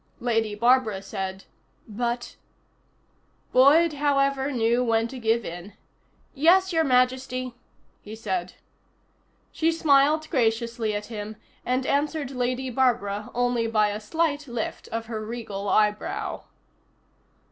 Lady Barbara said: "But " Boyd, however, knew when to give in. "Yes, Your Majesty," he said. She smiled graciously at him, and answered Lady Barbara only by a slight lift of her regal eyebrow.